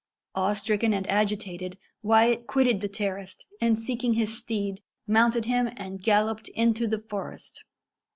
Awestricken and agitated, Wyat quitted the terrace, and, seeking his steed, mounted him, and galloped into the forest.